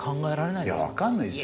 いや分かんないですよ